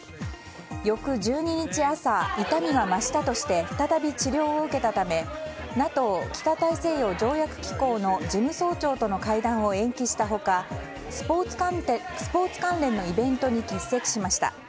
翌１２日朝痛みが増したとして再び治療を受けたためＮＡＴＯ・北大西洋条約機構の事務総長との会談を延期した他スポーツ関連のイベントに欠席しました。